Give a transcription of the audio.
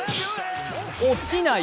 落ちない。